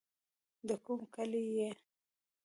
د کوم کلي يې.